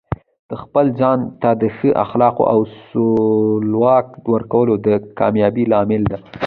د خپل ځان ته د ښه اخلاقو او سلوک ورکول د کامیابۍ لامل دی.